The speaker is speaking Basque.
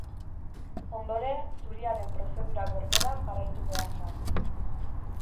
Ondoren, zuriaren prozedura berbera jarraitu behar da.